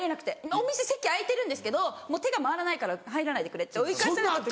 お店席空いてるんですけどもう手が回らないから入らないでくれって追い返された。